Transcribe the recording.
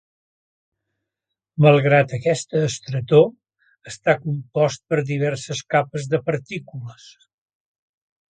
Malgrat aquesta estretor, està compost per diverses capes de partícules.